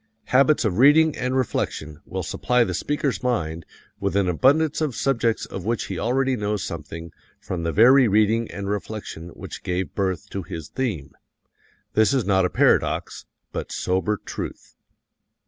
Habits of reading and reflection will supply the speaker's mind with an abundance of subjects of which he already knows something from the very reading and reflection which gave birth to his theme. This is not a paradox, but sober truth.